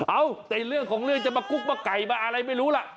เอ้าแต่เรื่องของเรื่องจะมากุ๊กมาไก่มาอะไรไม่รู้ล่ะ